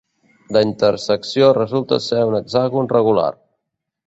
La intersecció resulta ser un hexàgon regular.